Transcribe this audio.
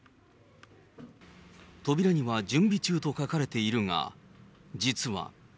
扉には準備中と書かれているが、実は。